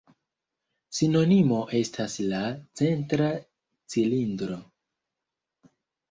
Sinonimo estas la „centra cilindro“.